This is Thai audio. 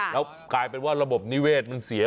แล้วกลายเป็นว่าระบบนิเวศมันเสีย